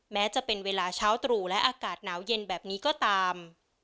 แม้จะเป็นเวลาเช้าตรู่และอากาศหนาวเย็นแบบนี้ก็ตาม